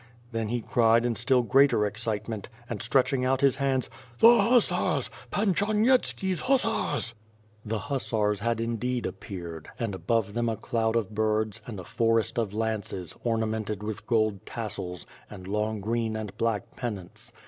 Then he cried in still greater excitement and, stretching out his hands: "The hussars! Pan Charnyetski's hussars!" The hussars had indeed appeared, and above them a cloud of birds, and a forest of lances, ornamented with gold tassels, and long green and black pennants.